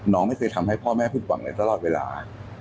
น้องไม่เคยทำให้พ่อแม่ฝึกหวังในตลอดเวลา